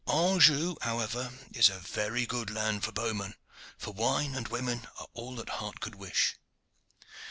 Anjou, however, is a very good land for bowmen, for wine and women are all that heart could wish.